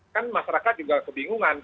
kan masyarakat juga kebingungan